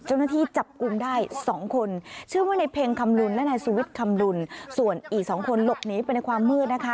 เจ้าหน้าที่จับกลุ่มได้สองคนชื่อว่าในเพ็งคำลุนและนายสุวิทย์คำลุนส่วนอีกสองคนหลบหนีไปในความมืดนะคะ